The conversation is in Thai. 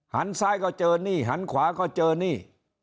หันซ้ายก็เจอนี่หันขวาก็เจอนี่